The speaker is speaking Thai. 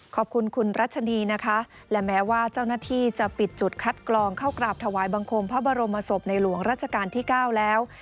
ขอบคุณคุณรัชนีนะคะและแม้ว่าเจ้าหน้าที่จะปิดจุดคัดกรองเข้ากราบถวายบังคมพระบรมศพในหลวงราชการที่๙แล้ว